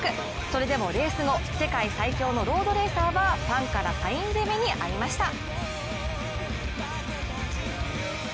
それでもレース後、世界最強のロードレーサーはファンからサイン攻めにあいました。